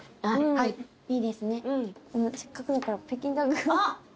はい。